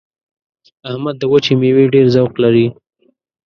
احمد د وچې مېوې ډېر ذوق لري.